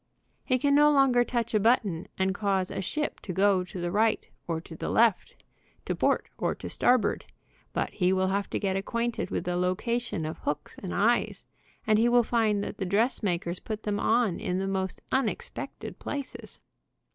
He can no longer touch a button and cause a ship to go to the right or to the left, to port or to starboard, but he will have to get acquainted with the location of hooks and eyes, and he will find that the dressmakers put them on in the most unexpected places.